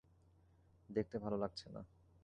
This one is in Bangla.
দেখতে ভালো লাগছে না!